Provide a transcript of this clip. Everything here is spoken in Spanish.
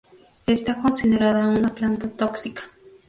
Está considerada una planta tóxica.